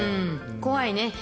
怖いね。